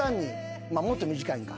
もっと短いんか。